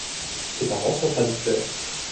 Ses parents sont traducteurs.